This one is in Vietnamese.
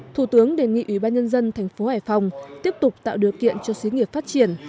thủ tướng đề nghị ủy ban nhân dân thành phố hải phòng tiếp tục tạo điều kiện cho xí nghiệp phát triển